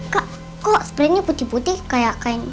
kak kok sebenarnya putih putih kayak kain